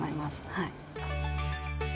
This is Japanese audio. はい。